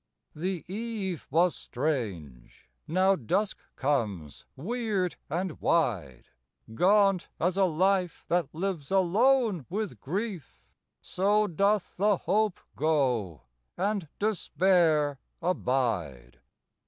The eve was strange; now dusk comes weird and wide, Gaunt as a life that lives alone with grief, So doth the hope go and despair abide.